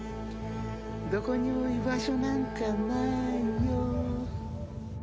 どこにも居場所なんかないよ。